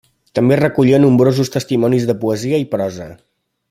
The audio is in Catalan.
També recollia nombrosos testimonis de poesia i prosa.